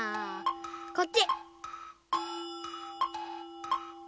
こっち！